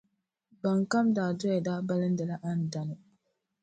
Ban kam daa doya daa balindila Andani.